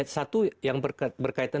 satu yang berkaitan